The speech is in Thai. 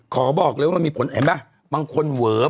ขอบอกเลยว่ามีผลบางคนเหวอ